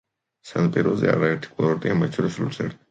სანაპიროზე არაერთი კურორტია, მათ შორის ლუცერნი.